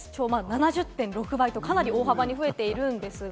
７０．６倍とかなり大幅に増えているんですが、